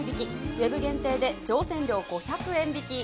ウェブ限定で乗船料５００円引き。